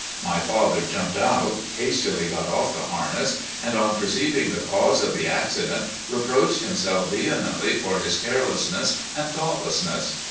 My father jumped out, hastily got off the harness, and on perceiving the cause of the accident reproached himself vehemently for his carelessness and thoughtlessness.